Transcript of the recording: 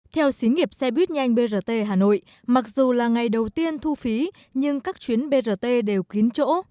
theo xí nghiệp xe buýt nhanh brt hà nội mặc dù là ngày đầu tiên thu phí nhưng các chuyến brt đều kín chỗ